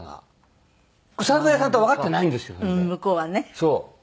そう。